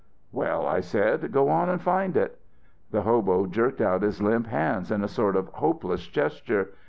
"'Well' I said, 'go on and find it.' "The hobo jerked out his limp hands in a sort of hopeless gesture.